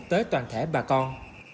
tới toàn thể bà con